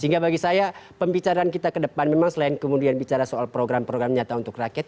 sehingga bagi saya pembicaraan kita ke depan memang selain kemudian bicara soal program program nyata untuk rakyat